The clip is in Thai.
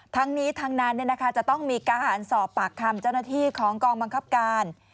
ทั้งนี้ทั้งนั้นจะต้องมีการสอบปากคำเจ้าหน้าที่ของกองบังคับการ